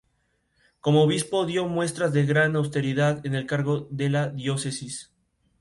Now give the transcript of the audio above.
El túnel Atocha-Chamartín pasa sin parar por el barrio de Castellana.